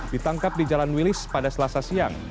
ditangkap di jalan wilis pada selasa siang